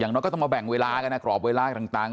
น้อยก็ต้องมาแบ่งเวลากันนะกรอบเวลาต่าง